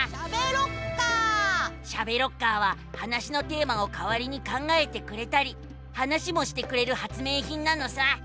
「しゃべロッカー」は話のテーマをかわりに考えてくれたり話もしてくれる発明品なのさ！